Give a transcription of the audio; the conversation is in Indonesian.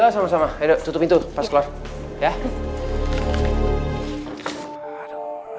sama sama ayo tutup pintu pas keluar